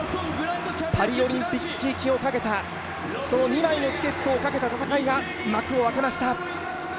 パリオリンピック行きをかけたその２枚のチケットをかけた戦いが幕を開けました。